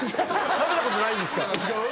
食べたことないですか。